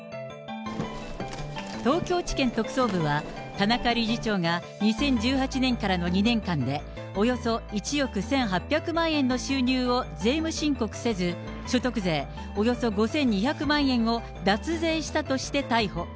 東京地検特捜部は、田中理事長が２０１８年からの２年間で、およそ１億１８００万円の収入を税務申告せず、所得税およそ５２００万円を脱税したとして逮捕。